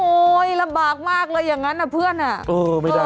โอ๊ยระบากมากเลยอย่างนั้นน่ะเพื่อนเออไม่ได้